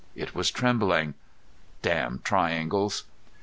It was trembling. Damn triangles!